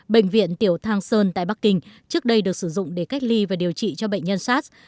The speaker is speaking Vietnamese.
bệnh viện tiểu thang sơn tại bắc kinh trước đây được sử dụng để cách ly và điều trị cho bệnh nhân sars